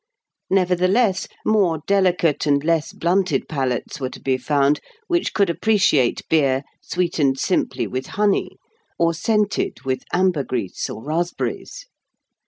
Nevertheless, more delicate and less blunted palates were to be found which could appreciate beer sweetened simply with honey, or scented with ambergris or raspberries.